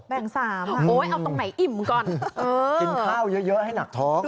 แบ่ง๓ค่ะโอ๊ยเอาตรงไหนอิ่มก่อน